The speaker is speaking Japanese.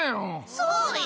そうよ！